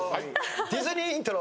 ディズニーイントロ。